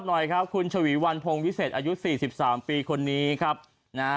หน่อยครับคุณฉวีวันพงวิเศษอายุสี่สิบสามปีคนนี้ครับนะฮะ